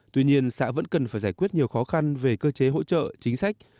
tuy nhiên xã vẫn cần phải giải quyết nhiều khó khăn về cơ chế hỗ trợ chính sách